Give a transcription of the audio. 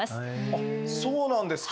あっそうなんですか。